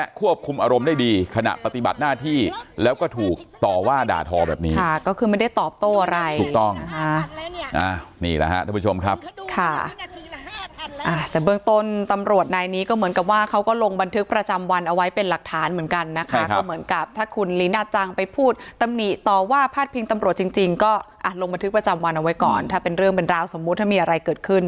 ค่ะก็คือไม่ได้ตอบโต้อะไรถูกต้องนี่แหละครับทุกผู้ชมครับแต่เบื้องต้นตำรวจนายนี้ก็เหมือนกับว่าเขาก็ลงบันทึกประจำวันเอาไว้เป็นหลักฐานเหมือนกันนะคะเหมือนกับถ้าคุณลินาจังไปพูดตำนีต่อว่าพาดพิงตำรวจจริงก็ลงบันทึกประจำวันเอาไว้ก่อนถ้าเป็นเรื่องเป็นราวสมมุติถ้ามีอะไร